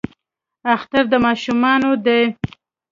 اختر د ماشومانو دی